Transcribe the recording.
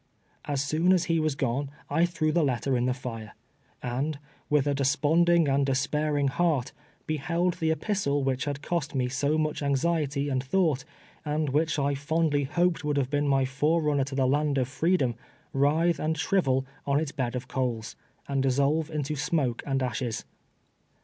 As soon as he was gone I tlirew the letter in the lire, and, with a desponding and despairing heart, beheld the epistle which had cost me so ninch anxiety and thought, and which I fondly hoped would have been my forerunner to the land of freedom, writhe and shrivel on its bed of coals, and dissolve into smoke and ashes.